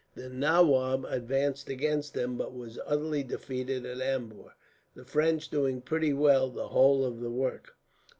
"The nawab advanced against them, but was utterly defeated at Ambur, the French doing pretty well the whole of the work.